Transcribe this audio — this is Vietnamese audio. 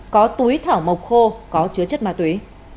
có túi thảo mộc khô có chứa chất ma túy